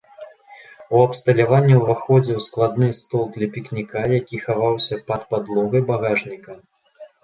У абсталяванне ўваходзіў складны стол для пікніка, які хаваўся пад падлогай багажніка.